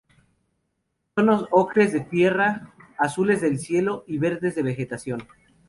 Tonos ocres de tierra, azules del cielo y verdes de vegetación.